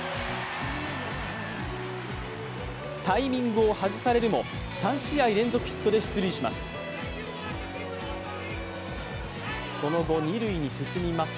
タイミングを外されるも、３試合連続ヒットで出塁します。